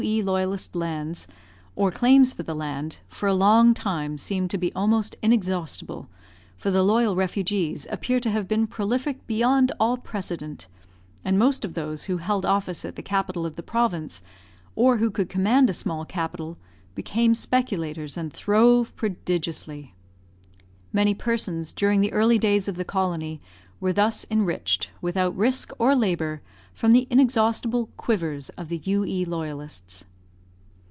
E. Loyalists' lands, or claims for land, for a long time seemed to be almost inexhaustible; for the loyal refugees appear to have been prolific beyond all precedent, and most of those who held office at the capital of the province, or who could command a small capital, became speculators and throve prodigiously. Many persons, during the early days of the colony, were thus enriched, without risk or labour, from the inexhaustible "quivers" of the U.E. Loyalists.